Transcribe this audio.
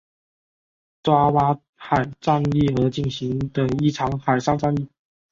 爪哇海战役而进行的一场海上战役。